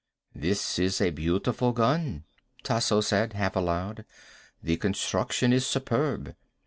"This is a beautiful gun," Tasso said, half aloud. "The construction is superb."